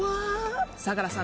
相良さん